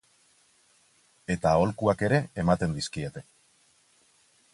Eta aholkuak ere ematen dizkiete.